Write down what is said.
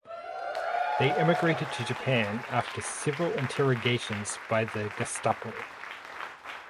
They emigrated to Japan after several interrogations by the Gestapo.